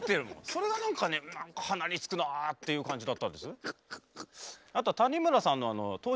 それが何かね何か鼻につくなっていう感じだったんです。